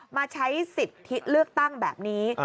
มาใช้สิทธิเลือกตั้งแบบนี้